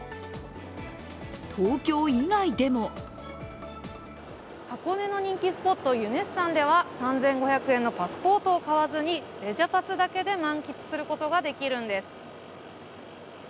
東京以外でも箱根の人気スポット、ユネッサンでは３５００円のパスポートを買わずにレジャパス！だけで満喫することができるんです。